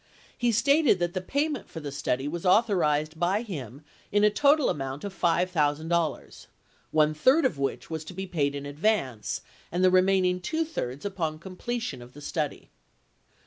He stated that the payment for the study was authorized by him in a total amount of $5,000 — one third of which was to be paid in advance, and the re maining two thirds upon completion of the study.